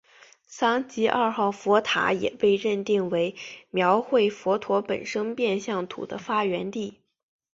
桑吉二号佛塔也被认定为描绘佛陀本生变相图的发源地。